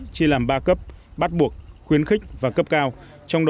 chia làm ba cấp bắt buộc khuyến khích và cấp cao